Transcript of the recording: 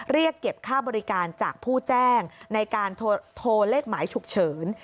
เรียกเก็บค่าบริการจากผู้แจ้งในการโทรเลขหมายฉุกเฉิน